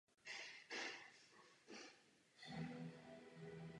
Na lokalitě je povolen pouze vědecký výzkum a monitoring stavu skal.